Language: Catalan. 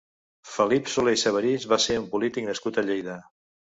Felip Solé i Sabarís va ser un polític nascut a Lleida.